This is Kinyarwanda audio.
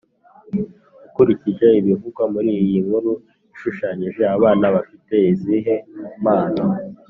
Ukurikije ibivugwa muri iyi nkuru ishushanyije abana bafite izihe mpano?